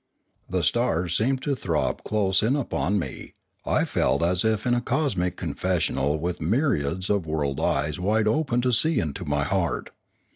The stars seemed to throb close in upon me; I felt as if in a cosmic confessional with myriads of world eyes wide open to see into my heart.